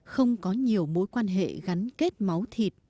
không có nhiều mối quan hệ gắn kết máu thịt